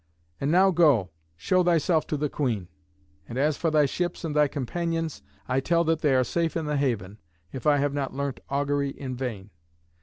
And now go, show thyself to the queen. And as for thy ships and thy companions, I tell that they are safe in the haven, if I have not learnt augury in vain.